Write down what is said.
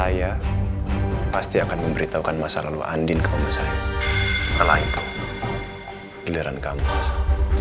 saya pasti akan memberitahukan masa lalu andin ke rumah saya setelah itu giliran kamu masuk